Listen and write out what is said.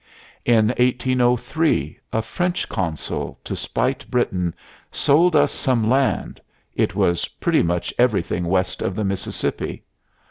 In 1803 a French consul, to spite Britain, sold us some land it was pretty much everything west of the Mississippi.